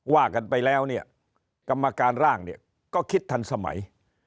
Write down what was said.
ว่ากันไปแล้วกรรมการร่างก็คิดทันสมัย